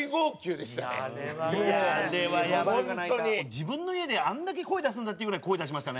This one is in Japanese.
自分の家であんだけ声出すんだっていうぐらい声出しましたね。